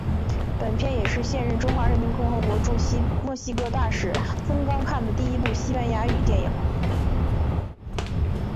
本片也是现任中华人民共和国驻墨西哥大使曾钢看的第一部西班牙语电影。